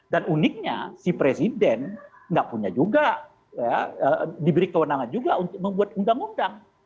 dan uniknya si presiden tidak punya juga diberi kewenangan juga untuk membuat undang undang